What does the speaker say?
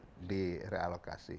ya di realokasi